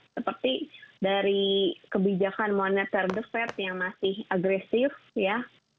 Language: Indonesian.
seperti dari kebijakan moneter the fed yang masih agresif ya